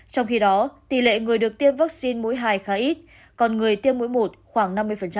trong khi đó tỷ lệ người được tiêm vaccine mũi hai khá ít còn người tiêm mũi một khoảng năm mươi